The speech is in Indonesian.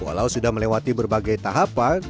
walau sudah melewati berbagai tahapan